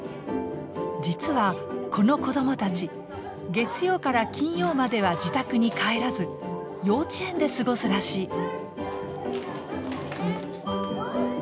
実はこの子供たち月曜から金曜までは自宅に帰らず幼稚園で過ごすらしい。